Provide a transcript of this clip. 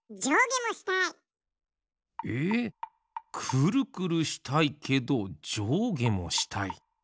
クルクルしたいけどじょうげもしたい。